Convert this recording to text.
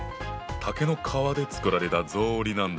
竹の皮で作られた草履なんだ。